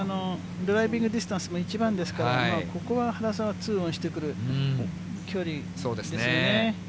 ドライビングディスタンスも一番ですから、ここは原さんは２オンしてくる距離ですね。